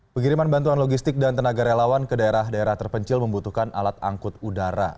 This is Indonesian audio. pengiriman bantuan logistik dan tenaga relawan ke daerah daerah terpencil membutuhkan alat angkut udara